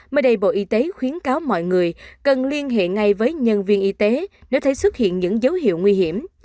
mới đây bộ y tế khuyến cáo mọi người cần liên hệ ngay với nhân viên y tế nếu thấy xuất hiện những dấu hiệu nguy hiểm